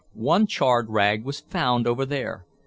One charred rag was found over there.